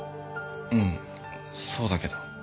うんそうだけど。